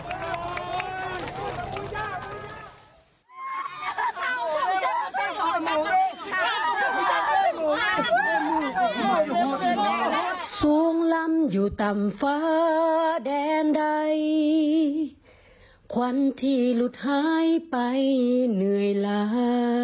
เมื่อกี้นายโดยช่ายไปเหนื่อยลา